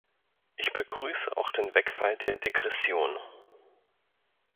Ich begrüße auch den Wegfall der Degression.